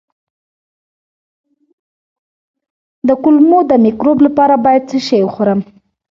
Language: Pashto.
د کولمو د مکروب لپاره باید څه شی وخورم؟